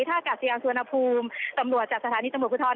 ท่ากาศยานสุวรรณภูมิตำรวจจากสถานีตำรวจภูทร